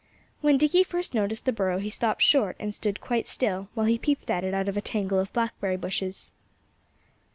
When Dickie first noticed the burrow he stopped short and stood quite still, while he peeped at it out of a tangle of blackberry bushes.